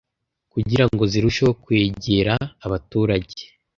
kugira ngo zirusheho kwegera abaturage.